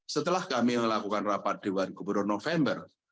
setelah kami melakukan rapat dewan gubernur november